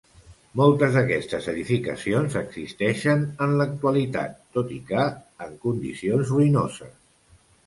Moltes d'aquestes edificacions existeixen en l'actualitat, tot i que en condicions ruïnoses.